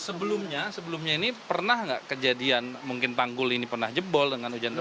sebelumnya sebelumnya ini pernah nggak kejadian mungkin tanggul ini pernah jebol dengan hujan dera